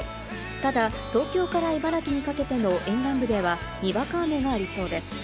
ただ、東京から茨城にかけての沿岸部ではにわか雨がありそうです。